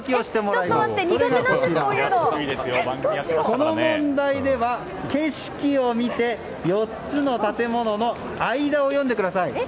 この問題では、景色を見て４つの建物の間を読んでください。